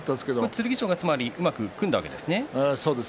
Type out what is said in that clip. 剣翔がうまく組んだんですね。